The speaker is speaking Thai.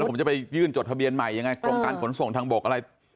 ผมจะไปยื่นจดทะเบียนใหม่ยังไงกรมการขนส่งทางบกอะไร